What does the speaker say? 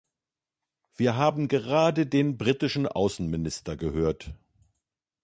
Wir haben gerade den britischen Außenminister gehört.